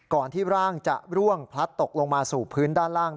ที่ร่างจะร่วงพลัดตกลงมาสู่พื้นด้านล่าง